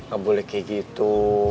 gak boleh kayak gitu